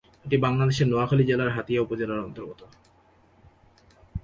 এটি বাংলাদেশের নোয়াখালী জেলার হাতিয়া উপজেলার অন্তর্গত।